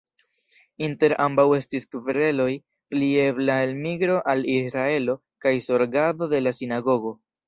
Inter ambaŭ estis kvereloj pri ebla elmigro al Israelo kaj zorgado de la sinagogo.